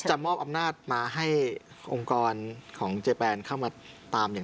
มอบอำนาจมาให้องค์กรของเจแปนเข้ามาตามอย่าง